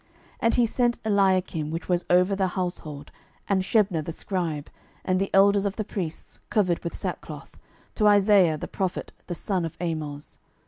12:019:002 And he sent Eliakim, which was over the household, and Shebna the scribe, and the elders of the priests, covered with sackcloth, to Isaiah the prophet the son of Amoz.